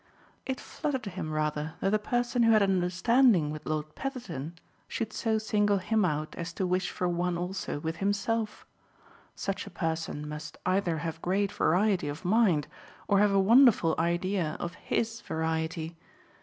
It fluttered him rather that a person who had an understanding with Lord Petherton should so single him out as to wish for one also with himself; such a person must either have great variety of mind or have a wonderful idea of HIS variety.